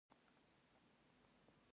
هر څه به یې پوره وي.